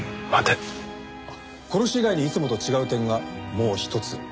殺し以外にいつもと違う点がもう一つ。